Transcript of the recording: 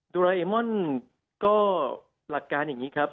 ราเอมอนก็หลักการอย่างนี้ครับ